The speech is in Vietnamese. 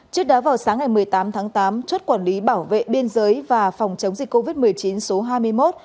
trước đó vào sáng ngày một mươi tám tháng tám chốt quản lý bảo vệ biên giới và phòng chống dịch covid một mươi chín số hai mươi một